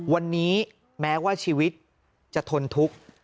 วันนี้แม้ว่าชีวิตจะทนทุกข์